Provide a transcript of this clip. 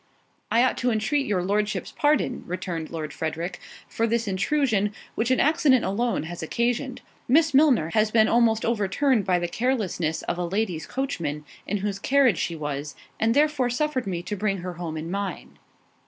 "I ought to entreat your Lordship's pardon," returned Lord Frederick, "for this intrusion, which an accident alone has occasioned. Miss Milner has been almost overturned by the carelessness of a lady's coachman, in whose carriage she was, and therefore suffered me to bring her home in mine."